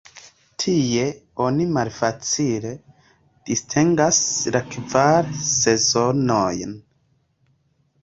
Tie oni malfacile distingas la kvar sezonojn.